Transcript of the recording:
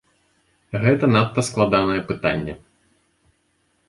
Гэта надта складанае пытанне.